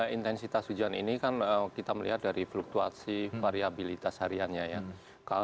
intensitas hujan ini kan kita melihat dari fluktuasi variabilitas hariannya ya